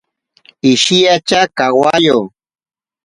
Ishiatya kawayo.